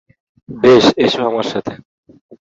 বেশ, এসো আমার সাথে।